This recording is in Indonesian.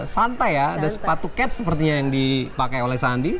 santai ya ada sepatu cat sepertinya yang dipakai oleh sandi